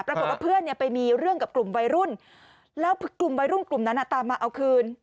ปรากฏว่าเพื่อนเนี่ยไปมีเรื่องกับกลุ่มวัยรุ่นแล้วกลุ่มวัยรุ่นกลุ่มนั้นตามมาเอาคืน